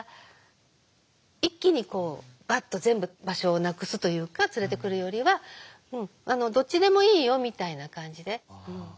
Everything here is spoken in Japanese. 一気にこうバッと全部場所をなくすというか連れてくるよりは「どっちでもいいよ」みたいな感じで。